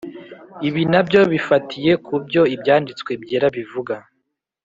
Ibi nabyo bifatiye ku byo Ibyanditswe Byera bivuga,